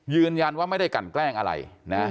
ยืนยันว่าไม่ได้กันแกล้งอะไรนะ